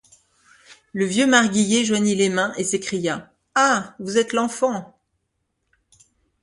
Le vieux marguillier joignit les mains, et s’écria: — Ah! vous êtes l’enfant !